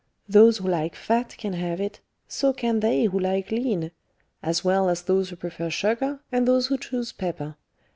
Those who like fat can have it; so can they who like lean; as well as those who prefer sugar, and those who choose pepper.